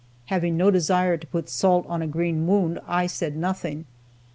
Having no desire to put salt on a green wound, I said nothing.